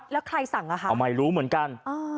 แล้วใครสั่งอ่ะคะก็ไม่รู้เหมือนกัน